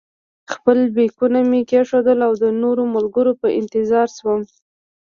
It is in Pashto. خپل بېکونه مې کېښودل او د نورو ملګرو په انتظار شوم.